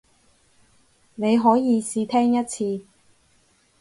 你可以試聽一次